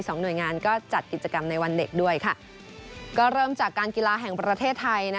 หน่วยงานก็จัดกิจกรรมในวันเด็กด้วยค่ะก็เริ่มจากการกีฬาแห่งประเทศไทย